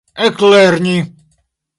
eklerni